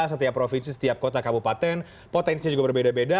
setiap provinsi setiap kota kabupaten potensinya juga berbeda beda